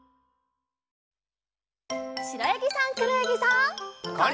しろやぎさんくろやぎさん。